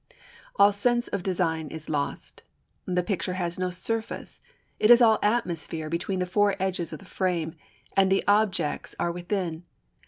All sense of design is lost. The picture has no surface; it is all atmosphere between the four edges of the frame, and the objects are within.